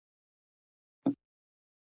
ورته پام سو پر سړک د څو هلکانو ,